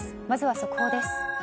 まずは速報です。